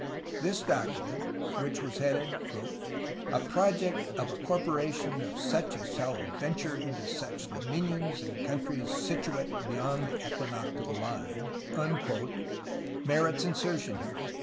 This document, which was headed "A proiect of a corporation of soche as shall venteur vnto soche domynions and contreys sytuate bayonde the equynoctyall line," merits insertion here.